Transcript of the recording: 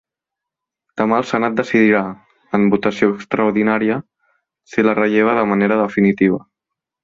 Demà el senat decidirà, en votació extraordinària, si la relleva de manera definitiva.